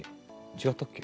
違ったっけ？